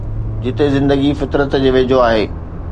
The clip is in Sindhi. جتي زندگي فطرت جي ويجهو آهي.